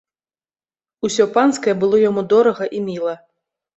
Усё панскае было яму дорага і міла.